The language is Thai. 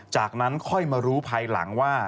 จากนั้นค่อยมารู้ภายหลังว่า